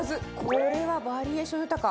これはバリエーション豊か。